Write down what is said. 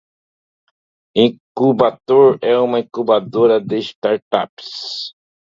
Incubator é uma incubadora de startups.